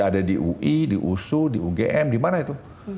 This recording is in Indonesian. ada di ui di usu di ugm di mana itu